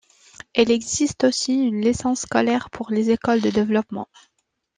Il existe aussi une licence scolaire pour les écoles de développement.